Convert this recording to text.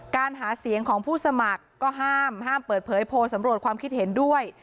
การหาเสียงของผู้สมัครก็ห้ามห้ามเปิดเผยโพลสำรวจความคิดเห็นด้วย